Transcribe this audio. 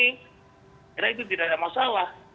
saya kira itu tidak ada masalah